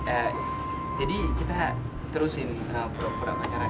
eh jadi kita terusin pura pura pacaran